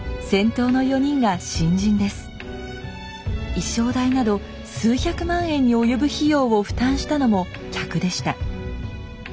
衣装代など数百万円に及ぶ費用を負担したのも客でした。